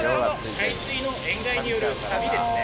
海水の塩害によるサビですね。